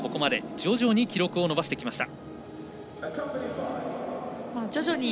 徐々に記録を伸ばしてきました。